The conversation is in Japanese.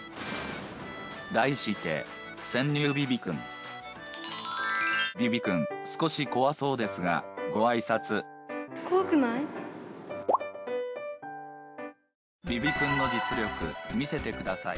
題してヴィヴィくん少し怖そうですがご挨拶ヴィヴィくんの実力見せてください